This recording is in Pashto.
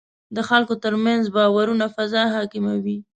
د خلکو ترمنځ باورونو فضا حاکمه وي.